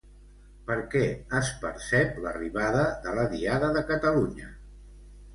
Per què es percep l'arribada de la Diada de Catalunya?